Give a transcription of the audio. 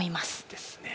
ですね。